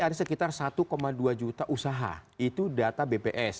ada sekitar satu dua juta usaha itu data bps